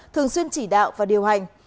thường xuyên chỉ đạo và điều hành